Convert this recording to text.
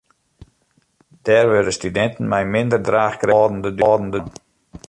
Dêr wurde studinten mei minder draachkrêftige âlden de dupe fan.